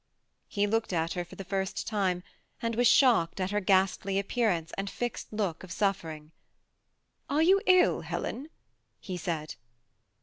He looked at her for the first time, and was shocked at her ghastl7 appearance and fixed look of suffering. " Are 70U ill, Helen ?" he said.